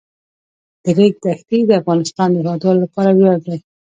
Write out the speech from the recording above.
د ریګ دښتې د افغانستان د هیوادوالو لپاره ویاړ دی.